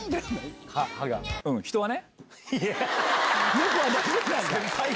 猫は大丈夫なんだ。